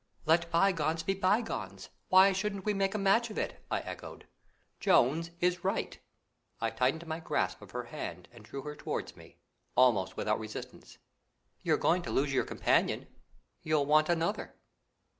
"'Let bygones be bygones. Why shouldn't we make a match of it?'" I echoed. "Jones is right." I tightened my grasp of her hand and drew her towards me, almost without resistance. "You're going to lose your companion, you'll want another."